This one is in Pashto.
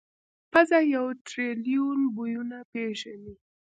پزه یو ټریلیون بویونه پېژني.